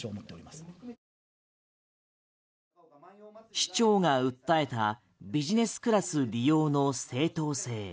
市長が訴えたビジネスクラス利用の正当性。